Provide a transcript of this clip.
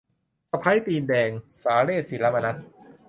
สะใภ้ตีนแดง - สาเรส ศิระมนัส